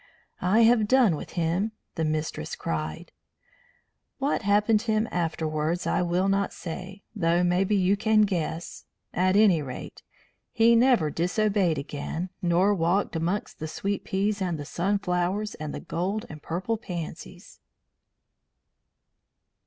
"I have done with him!" his mistress cried. What happened to him afterwards I will not say, though maybe you can guess. At any rate, he never disobeyed again, nor walked amongst the sweet peas and the sunflowers and the gold and purple pansies.